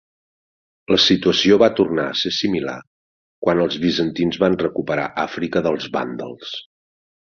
La situació va tornar a ser similar quan els bizantins van recuperar Àfrica dels vàndals.